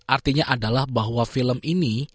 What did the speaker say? artinya adalah bahwa film ini